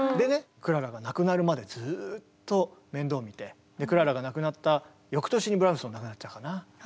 クララが亡くなるまでずっと面倒見てクララが亡くなった翌年にブラームスも亡くなっちゃうかな。